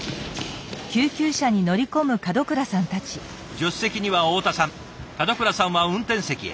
助手席には大田さん門倉さんは運転席へ。